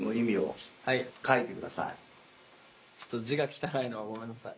ちょっと字が汚いのはごめんなさい。